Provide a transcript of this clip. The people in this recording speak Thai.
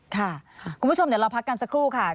คุณผู้ชมเดี๋ยวเราพักกันสักครู่ค่ะ